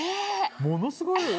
ものすごい